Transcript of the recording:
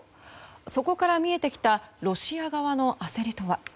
そこから見えてきたロシア側の焦りとは？